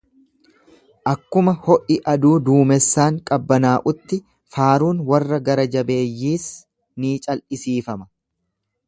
Akkuma ho'i aduu duumessaan qabbanaa'utti, faaruun warra gara-jabeeyyiis ni cal'isiifama.